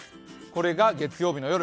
これが月曜日の夜。